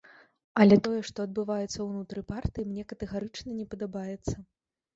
Але тое, што адбываецца ўнутры партыі, мне катэгарычна не падабаецца.